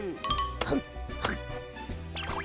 パンパン。